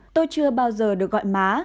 tôi chưa bao giờ được gọi má